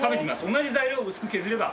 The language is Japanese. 同じ材料薄く削れば。